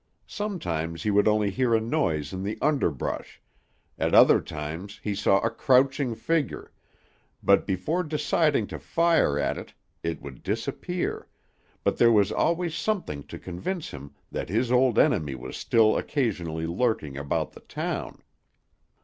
Sometimes he would only hear a noise in the underbrush; at other times he saw a crouching figure, but before deciding to fire at it, it would disappear, but there was always something to convince him that his old enemy was still occasionally lurking about the town.